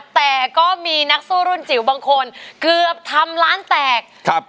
แต่ก็มีนักสู้รุ่นจิ๋วบางคนเกือบทำร้านแตกครับ